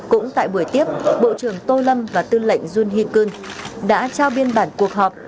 cũng tại buổi tiếp bộ trưởng tô lâm và tư lệnh jun hee keun đã trao biên bản cuộc họp